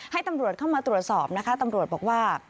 ให้ตำรวจเข้ามาตรวจสอบนะคะตำรวจบอกว่า